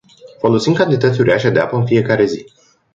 Folosim cantități uriașe de apă în fiecare zi.